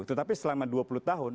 tetapi selama dua puluh tahun